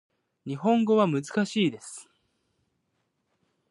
日本語は難しいです